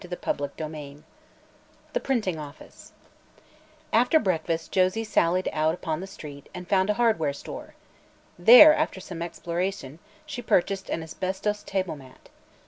CHAPTER XIX THE PRINTING OFFICE After breakfast Josie sallied out upon the street and found a hardware store. There, after some exploration, she purchased an asbestos table mat.